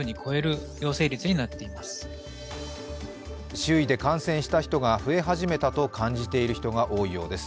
周囲で感染している人が増え始めたと感じている人が多いそうです。